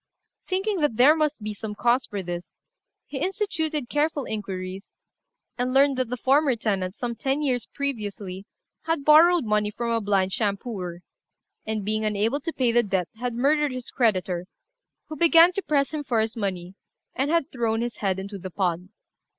Thinking that there must be some cause for this, he instituted careful inquiries, and learned that the former tenant, some ten years previously, had borrowed money from a blind shampooer, and, being unable to pay the debt, had murdered his creditor, who began to press him for his money, and had thrown his head into the pond.